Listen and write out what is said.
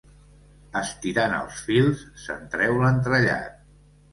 Estirant els fils, se'n treu l'entrellat.